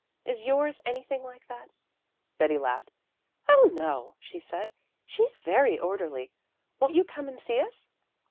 Is yours anything like that?" Betty laughed. "Oh, no," she said. "She's very orderly. Won't you come and see us?"